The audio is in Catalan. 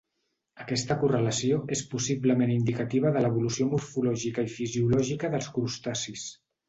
Aquesta correlació és possiblement indicativa de l'evolució morfològica i fisiològica dels crustacis.